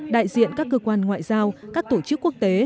đại diện các cơ quan ngoại giao các tổ chức quốc tế